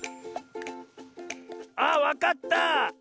あっわかった！